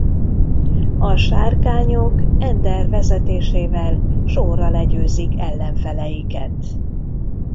A Sárkányok Ender vezetésével sorra legyőzik ellenfeleiket.